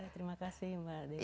terima kasih mbak desi